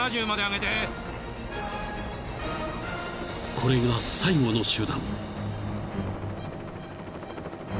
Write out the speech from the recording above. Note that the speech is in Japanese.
［これが最後の手段］